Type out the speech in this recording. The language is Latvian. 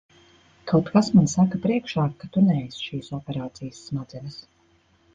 Kaut kas man saka priekšā, ka tu neesi šīs operācijas smadzenes.